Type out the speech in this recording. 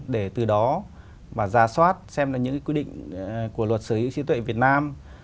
để từ đó mà ra soát xem là những cái quy định của luật sở hữu trí tuệ việt nam